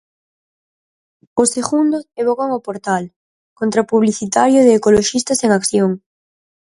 Os segundos evocan o portal contrapublicitario de Ecoloxistas en Acción.